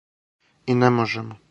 И не можемо.